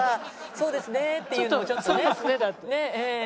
「そうですね」って言うのもちょっとね。